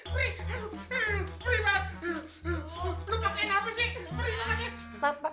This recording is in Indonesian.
lu pakein apa sih perih lu pakein